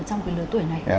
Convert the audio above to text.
trong cái lứa tuổi này